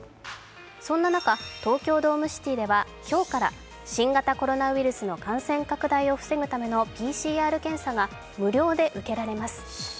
そんな中、東京ドームシティでは今日から新型コロナウイルスの感染拡大を防ぐためのＰＣＲ検査が無料で受けられます。